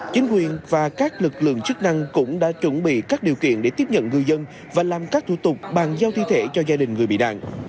chính quyền và các lực lượng chức năng cũng đã chuẩn bị các điều kiện để tiếp nhận ngư dân và làm các thủ tục bàn giao thi thể cho gia đình người bị nạn